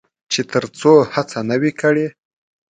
چې تر څو هڅه نه وي کړې.